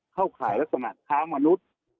เข้าข่ายลักษณะค้ามนุษย์